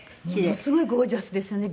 ものすごいゴージャスですよね